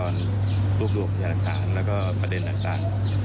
เรื่องพูดเรื่องประเด็นอะไรออกมา